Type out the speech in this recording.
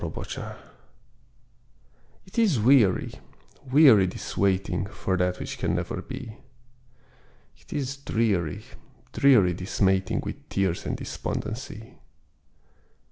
TIREDNESS It is weary, weary this waiting, For that which can never be. It is dreary, dreary this mating, With tears and despondency.